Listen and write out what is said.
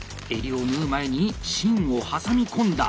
襟を縫う前に芯を挟み込んだ！